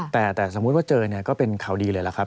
แต่สมมุติว่าเจอเนี่ยก็เป็นข่าวดีเลยล่ะครับ